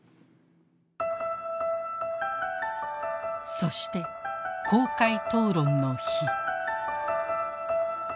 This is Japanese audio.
そして公開討論の日。